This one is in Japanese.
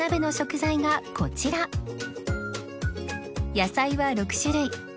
野菜は６種類